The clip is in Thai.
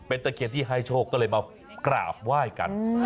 ตะเคียนที่ให้โชคก็เลยมากราบไหว้กัน